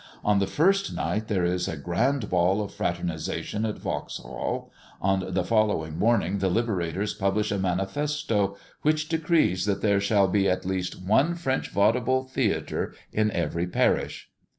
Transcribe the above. On the first night there is a grand ball of fraternisation at Vauxhall. On the following morning the liberators publish a manifesto, which decrees that there shall be at least one French vaudeville theatre in every parish."